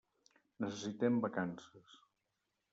Necessitem vacances.